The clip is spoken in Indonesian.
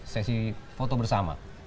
sesi foto bersama